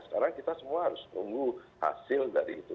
sekarang kita semua harus tunggu hasil dari itu